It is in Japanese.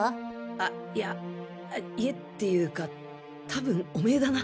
あいや家っていうか多分オメーだな。